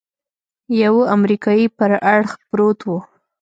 يوه امريکايي پر اړخ پروت و.